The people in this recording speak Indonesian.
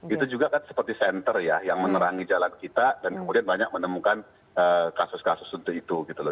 itu juga kan seperti center ya yang menerangi jalan kita dan kemudian banyak menemukan kasus kasus untuk itu gitu loh